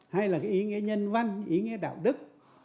hay là cái ý nghĩa nhân văn ý nghĩa đạo đức